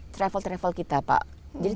jadi travel travel kita tuh masih berhasil